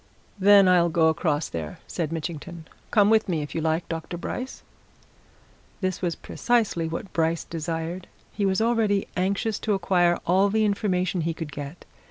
"Then I'll go across there," said Mitchington. "Come with me, if you like, Dr. Bryce." This was precisely what Bryce desired he was already anxious to acquire all the information he could get.